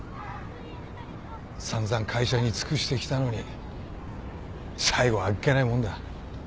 散々会社に尽くしてきたのに最後はあっけないもんだ。